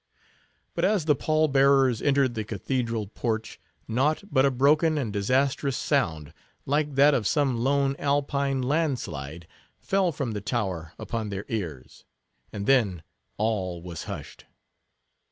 But as the pall bearers entered the cathedral porch, naught but a broken and disastrous sound, like that of some lone Alpine land slide, fell from the tower upon their ears. And then, all was hushed.